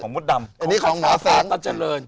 ของคันศาภาตัวเจริญของคันศาภาตัวเจริญของคันศาภาตัวเจริญ